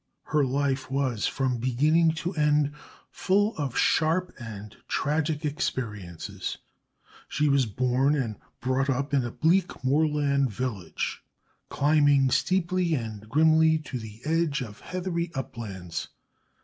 Her life was from beginning to end full of sharp and tragic experiences. She was born and brought up in a bleak moorland village, climbing steeply and grimly to the edge of heathery uplands.